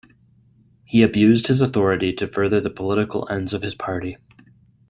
He abused his authority to further the political ends of his party.